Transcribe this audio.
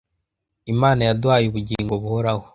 Imana yaduhaye ubugingo buhoraho,